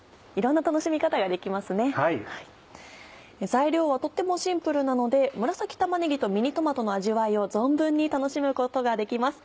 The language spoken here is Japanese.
材料はとってもシンプルなので紫玉ねぎとミニトマトの味わいを存分に楽しむことができます。